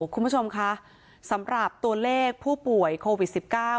คุณผู้ชมคะสำหรับตัวเลขผู้ป่วยโควิด๑๙